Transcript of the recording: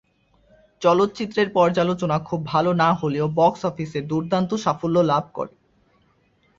চলচ্চিত্রের পর্যালোচনা খুব ভাল না হলেও বক্স অফিসে দুর্দান্ত সাফল্য লাভ করে।